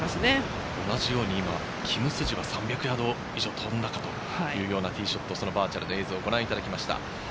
キム・スジは３００ヤード以上飛んだか？というようなティーショットをバーチャルで、映像をご覧いただきました。